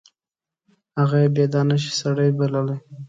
هغه یې بې دانشه سړی بللی.